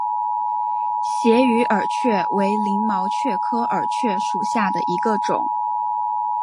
斜羽耳蕨为鳞毛蕨科耳蕨属下的一个种。